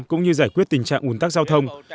cũng như giải quyết tình trạng ủn tắc giao thông